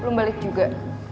belum balik juga